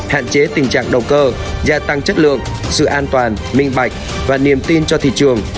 hạn chế tình trạng động cơ gia tăng chất lượng sự an toàn minh bạch và niềm tin cho thị trường